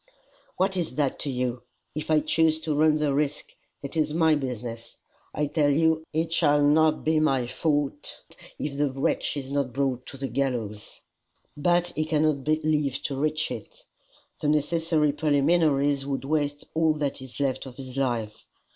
"What is that to you? If I choose to run the risk, it is my business. I tell you it shall not be my fault if the wretch is not brought to the gallows." "But he cannot live to reach it. The necessary preliminaries would waste all that is left of his life.